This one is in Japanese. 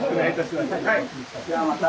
じゃあまた。